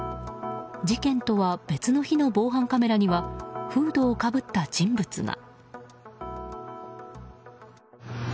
事件とは別の日の防犯カメラにはフードをかぶった人物が。